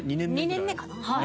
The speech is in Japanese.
２年目かな？